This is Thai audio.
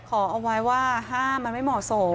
ขอเอาไว้ว่าห้ามมันไม่เหมาะสม